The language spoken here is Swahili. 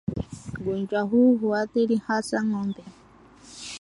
Ugonjwa huu huathiri hasa ng'ombe